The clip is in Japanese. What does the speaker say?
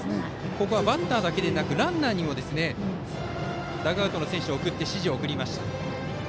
ここはバッターだけでなくランナーにもダグアウトの選手を送り指示を出しました。